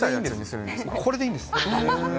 これでいいんです。